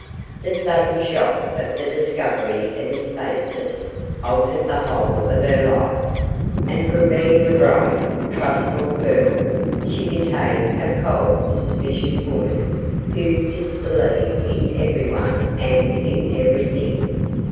The sudden shock of the discovery of his baseness altered the whole of her life, and from being a bright, trustful girl, she became a cold suspicious woman who disbelieved in everyone and in everything.